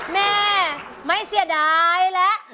แม่ไม่เสียดายแล้ว